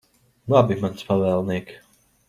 Labi, mans pavēlniek.